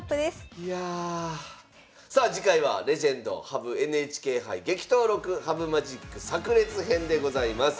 いやさあ次回は「レジェンド羽生ＮＨＫ杯激闘録羽生マジックさく裂編」でございます。